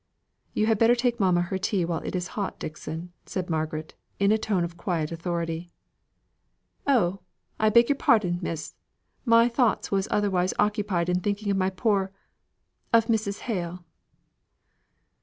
"You had better take mamma her tea while it is hot, Dixon," said Margaret, in a tone of quiet authority. "Oh! I beg your pardon, Miss! My thoughts was otherwise occupied in thinking of my poor of Mrs. Hale."